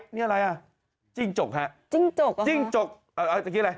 นี่อะไรอ่ะจิ้งจกฮะจิ้งจกเหรอจิ้งจกเอ่อเมื่อกี้อะไร